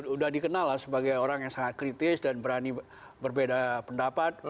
sudah dikenal lah sebagai orang yang sangat kritis dan berani berbeda pendapat